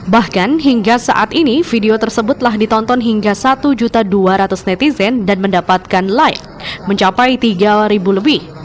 bahkan hingga saat ini video tersebut telah ditonton hingga satu dua ratus netizen dan mendapatkan like mencapai tiga lebih